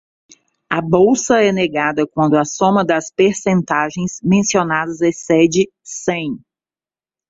A bolsa é negada quando a soma das percentagens mencionadas excede cem.